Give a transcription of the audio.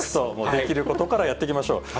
できることからやっていきましょう。